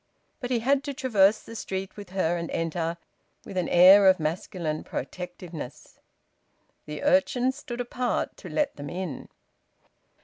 But he had to traverse the street with her and enter, and he had to do so with an air of masculine protectiveness. The urchins stood apart to let them in.